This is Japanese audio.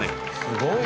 すごい！